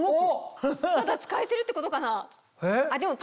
まだ使えてるってことかな？